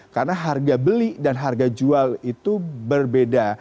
karena harga beli dan harga jual itu berbeda